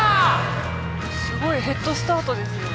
すごいヘッドスタートですよ